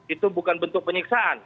itu bukan bentuk penyiksaan